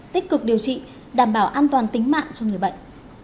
tích cực điều trị đảm bảo an toàn tính mạng cho người bệnh